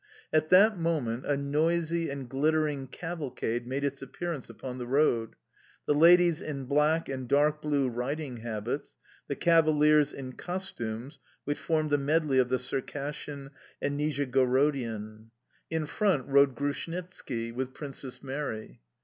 At that moment a noisy and glittering cavalcade made its appearance upon the road the ladies in black and dark blue riding habits, the cavaliers in costumes which formed a medley of the Circassian and Nizhegorodian. In front rode Grushnitski with Princess Mary.